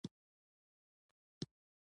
په نصرت کښېنه، ایمان پیاوړی کړه.